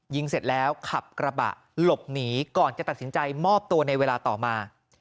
เสร็จแล้วขับกระบะหลบหนีก่อนจะตัดสินใจมอบตัวในเวลาต่อมา